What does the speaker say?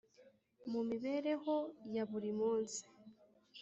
mu mibereho ya buri munsi